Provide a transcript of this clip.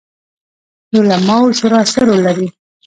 د علماوو شورا څه رول لري؟